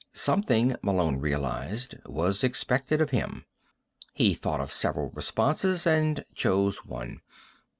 Something, Malone realized, was expected of him. He thought of several responses and chose one.